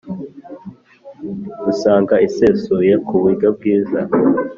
Usanga isesuye kuburyo bwiza